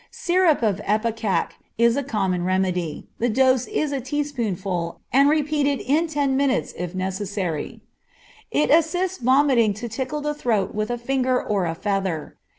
Syrup of ipecac is a common remedy, the dose is a teaspoonful, and repeated in ten minutes if necessary. It assists vomiting to tickle the throat with a finger or a feather.